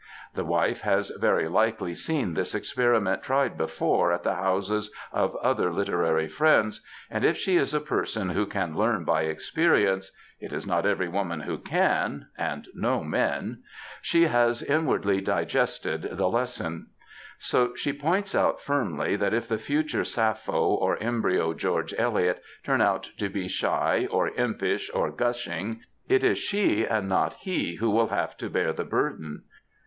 The wife has very likely seen this experiment tried before at jhe houses of other literary friends, and if she is a person who can learn by experience ŌĆö it is not every woman who can, and no men ŌĆö she has *"* inwardly digested '^ the lesson. So she points out firmly that if the future Sappho or embryo George Eliot turn out to be shy, or impish, or gushing, it is she and not he, who will have to bear the burden.